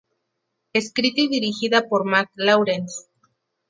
Escrita y dirigida por Marc Lawrence.